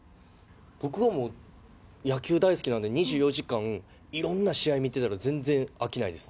僕はもう野球大好きなんで、２４時間、いろんな試合見てたら、全然飽きないです。